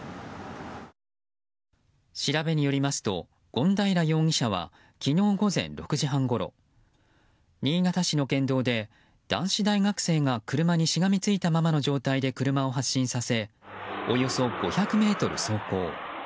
調べによりますと権平容疑者は昨日午前６時半ごろ新潟市の県道で男子大学生が車にしがみついたままの状態で車を発進させおよそ５００ｍ走行。